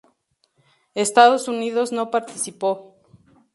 Estados Unidos no participó.